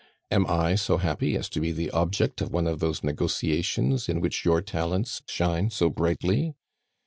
Am I so happy as to be the object of one of those negotiations in which your talents shine so brightly?